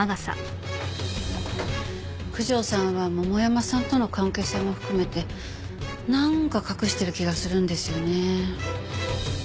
九条さんは桃山さんとの関係性も含めてなんか隠してる気がするんですよね。